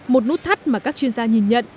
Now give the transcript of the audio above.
một nút thắt mà các chuyên gia nhìn nhận